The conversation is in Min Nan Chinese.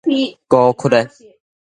孤 𣮈 的